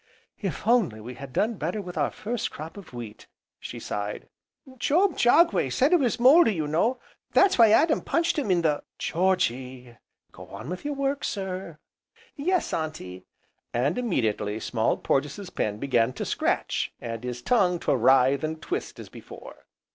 "If only we had done better with our first crop of wheat!" she sighed. "Job Jagway said it was mouldy, you know, that's why Adam punched him in the " "Georgy, go on with your work, sir!" "Yes, Auntie!" And immediately Small Porges' pen began to scratch, and his tongue to writhe and twist as before.